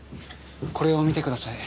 これを見てください。